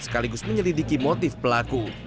sekaligus menyelidiki motif pelaku